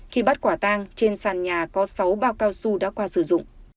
khi bắt quả tang trên sàn nhà có sáu bao cao su đã qua sử dụng